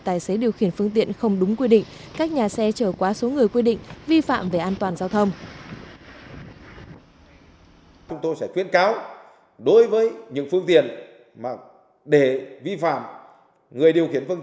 tài xế điều khiển phương tiện không đúng quy định các nhà xe chở quá số người quy định vi phạm về an toàn giao thông